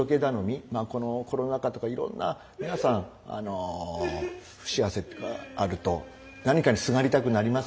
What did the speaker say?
まあこのコロナ禍とかいろんな皆さんあの不幸せとかあると何かにすがりたくなりますよね。